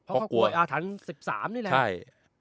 เพราะกัวอะถันแหละ